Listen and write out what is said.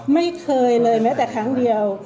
ไม่เคยเลยแม้แต่ครั้งเดียว